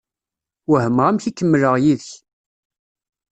Wehmeɣ amek i kemmleɣ yid-k.